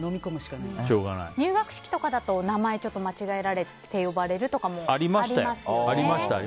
入学式とかだと名前、ちょっと間違えられて呼ばれるとかもありましたよね。